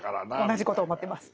同じこと思ってます。